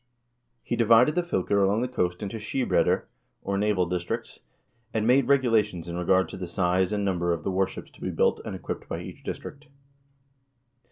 He divided the fylker along the coast into skibreder, or naval districts, and made regulations in regard to the size and num ber of the warships to be built and equipped by each district.